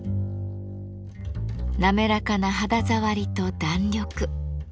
滑らかな肌触りと弾力。